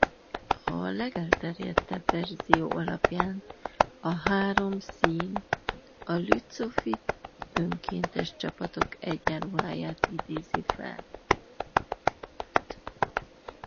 A legelterjedtebb verzió alapján a három szín a lützowi önkéntes csapatok egyenruháját idézi fel.